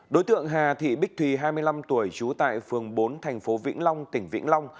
đối tượng hà thị bích thùy hai mươi năm tuổi trú tại phường bốn thành phố vĩnh long tỉnh vĩnh long